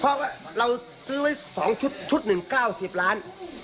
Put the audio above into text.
เพราะว่าเราซื้อไว้๒ชุดชุดหนึ่ง๙๐ล้าน